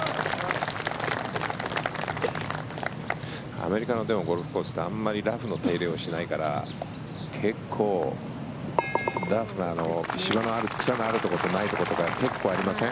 アメリカのゴルフコースってラフの手入れをしないから結構、ラフが芝の草のあるところとないところが結構ありません？